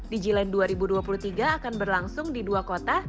di glen dua ribu dua puluh tiga akan berlangsung di dua kota